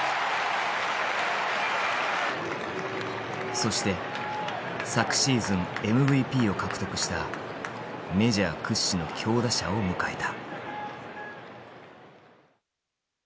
そして昨シーズンＭＶＰを獲得したメジャー屈指の強打者を迎えた。